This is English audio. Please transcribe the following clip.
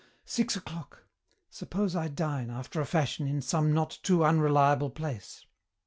Six o'clock. Suppose I dine, after a fashion, in some not too unreliable place."